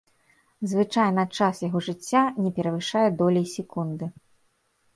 Звычайна час яго жыцця не перавышае долей секунды.